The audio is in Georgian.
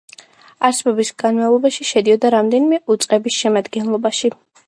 არსებობის განმავლობაში შედიოდა რამდენიმე უწყების შემადგენლობაში.